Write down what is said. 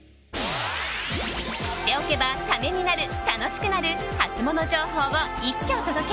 知っておけばためになる、楽しくなるハツモノ情報を一挙お届け。